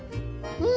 うん！